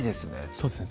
そうですね